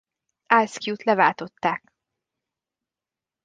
Ayscue-t leváltották.